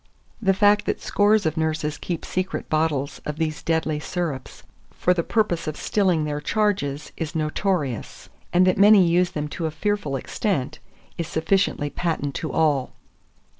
The fact that scores of nurses keep secret bottles of these deadly syrups, for the purpose of stilling their charges, is notorious; and that many use them to a fearful extent, is sufficiently patent to all.